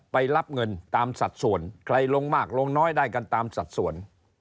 ไปรับเงินตามสัดส่วนใครลงมากลงน้อยได้กันตามสัดส่วน